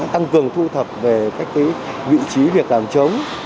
tăng cường thu thập về các vị trí việc làm chống